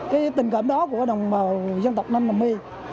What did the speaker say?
cái tình cảm đó của đồng bào dân tộc nam là my